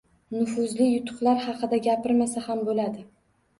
Nufuzli yutuqlar haqida gapirmasa ham bo'ladi